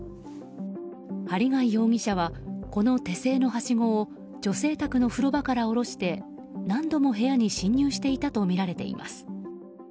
針谷容疑者はこの手製のはしごを女性宅の風呂場から降ろして何度も部屋に侵入したとみられています。